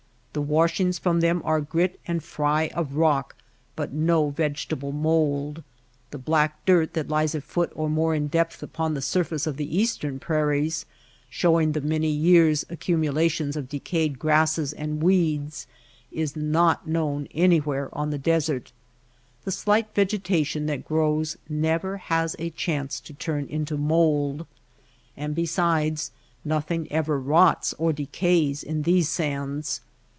The washings from them are grit and fry of rock but no vegetable mould. The black dirt that lies a foot or more in depth upon the surface of the eastern prairies, showing the many years accumulations of decayed grasses and weeds, is not known anywhere on the desert. The slight vegetation that grows never has a chance to turn into mould. And besides, nothing ever rots or decays in these sands.